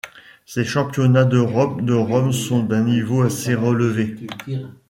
Ces championnats d’Europe de Rome sont d’un niveau assez relevé.